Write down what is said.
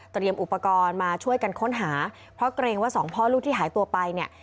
อุปกรณ์มาช่วยกันค้นหาเพราะเกรงว่าสองพ่อลูกที่หายตัวไปเนี่ย